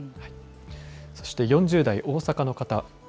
そして４０代、大阪の方。